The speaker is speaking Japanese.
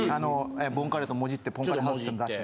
ボンカレーともじってぽんカレーハウスって出して。